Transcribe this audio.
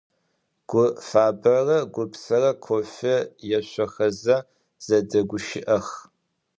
Гуфабэрэ Гупсэрэ кофе ешъохэзэ зэдэгущыӀэх.